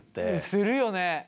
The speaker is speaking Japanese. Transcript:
するよね。